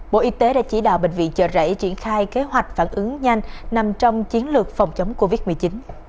bộ y tế đã chỉ đạo bệnh viện chợ rẫy triển khai kế hoạch phản ứng nhanh nằm trong chiến lược phòng chống covid một mươi chín